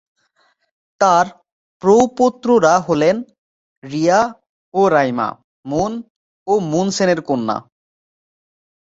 তার প্রপৌত্ররা হলেন রিয়া ও রাইমা, মুন মুন সেনের কন্যা।